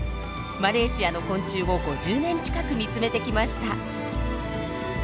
マレーシアの昆虫を５０年近く見つめてきました。